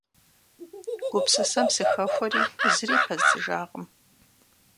Гупсысэм сыхэхуэри зыри пэздзыжакъым.